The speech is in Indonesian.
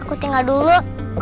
aku tinggal dulu